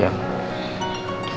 masak lagi pak